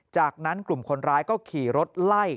จากนั้นกลุ่มคนร้ายก็ขี่รถไล่